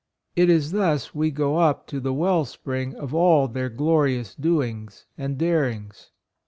It is thus we go up to the well spring of all their glorious doings and darings.